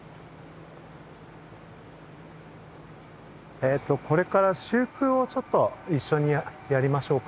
えとこれから修復をいっしょにやりましょうか。